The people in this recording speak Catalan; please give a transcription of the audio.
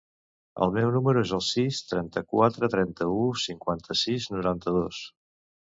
El meu número es el sis, trenta-quatre, trenta-u, cinquanta-sis, noranta-dos.